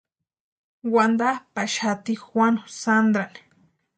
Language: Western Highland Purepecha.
Wantapʼaxati Juanu Sandrani.